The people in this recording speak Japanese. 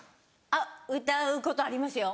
あっ歌うことありますよ。